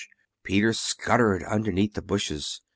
Peter scuttered underneath the bushes.